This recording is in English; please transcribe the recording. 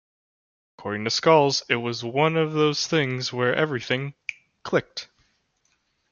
According to Scholz It was one of those things where everything clicked.